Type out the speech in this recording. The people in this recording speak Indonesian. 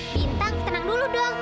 bintang tenang dulu dong